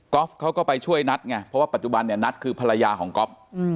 เขาก็ไปช่วยนัทไงเพราะว่าปัจจุบันเนี่ยนัทคือภรรยาของก๊อฟ